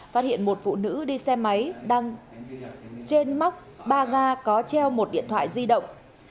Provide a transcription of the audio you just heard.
phát hiện một phụ nữ đi xe máy đang trên móc ba ga có treo một điện thoại di động